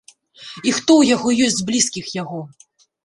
І хто ў яго ёсць з блізкіх яго?